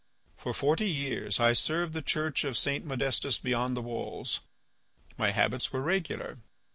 For forty years I served the church of St. Modestus beyond the Walls. My habits were regular.